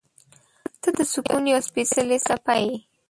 • ته د سکون یوه سپېڅلې څپه یې.